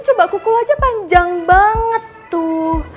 coba kukul aja panjang banget tuh